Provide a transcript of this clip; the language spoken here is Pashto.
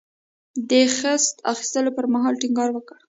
د خصت اخیستلو پر مهال ټینګار وکړ.